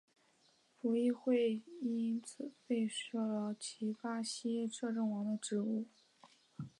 葡议会因此废黜了其巴西摄政王的职务。